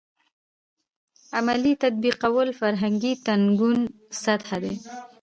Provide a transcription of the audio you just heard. عملي تطبیقولو فرهنګي تکون سطح دی.